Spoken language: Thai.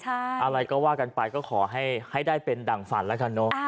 อะไรก็ว่ากันไปก็ขอให้ได้เป็นดั่งฝันแล้วกันเนอะ